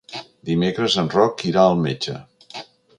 Dimecres en Roc irà al metge.